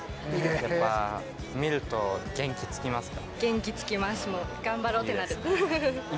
見ると元気つきますか？